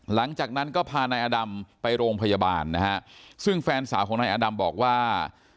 หลังจากนั้นก็พานายอดำไปโรงพยาบาลนะฮะซึ่งแฟนสาวของนายอดำบอกว่า